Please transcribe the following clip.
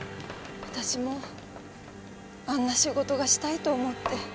私もあんな仕事がしたいと思って。